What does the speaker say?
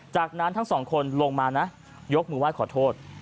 จากนั้นทั้งสองคนลงมานะยกมือไหว้ขอโทษ